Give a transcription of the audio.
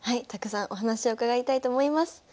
たくさんお話を伺いたいと思います。